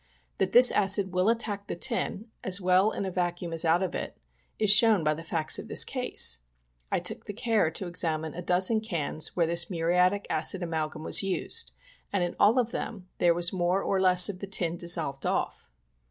That this acid will attack the tin, as well in a vacuum as out of it, is shown by the facts of the case. I took the care to examine a dozen cans where this muriatic acid amalgum was used, and in all of them there was more or less of the tin dissolved off.